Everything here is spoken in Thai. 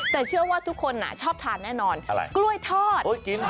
แต่เชื่อว่าทุกคนชอบทานแน่นอนอะไรกล้วยทอด